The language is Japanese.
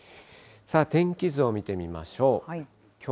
天気図を見てみましょう。